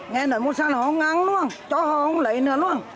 nghe nói môi sản là họ không ăn luôn cho họ không lấy nữa luôn